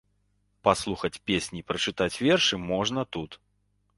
Паслухаць песні і прачытаць вершы можна тут.